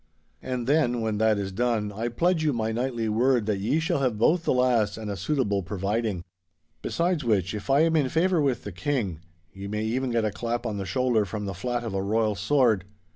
And then, when that is done, I pledge you my knightly word that ye shall have both the lass and a suitable providing. Besides which, if I am in favour with the King, ye may even get a clap on the shoulder from the flat of a royal sword.